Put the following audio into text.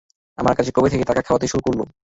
আমার কাছে কবে থেকে টাকা খাকতে শুরু করলো?